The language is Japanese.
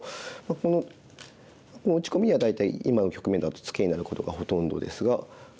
この打ち込みには大体今の局面だとツケになることがほとんどですが。